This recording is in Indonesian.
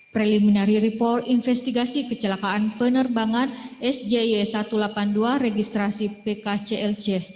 preliminary report investigasi kecelakaan penerbangan sjy satu ratus delapan puluh dua registrasi pkclc